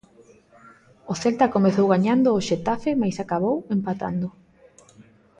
O Celta comezou gañando ao Xetafe mais acabou empatando.